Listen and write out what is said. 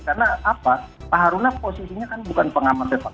karena pak haruna posisinya kan bukan pengaman pepak